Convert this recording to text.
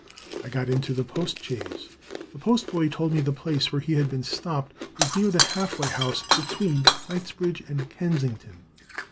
I got into the post chaise; the post boy told me the place where he had been stopped was near the half way house between Knightsbridge and Kensington.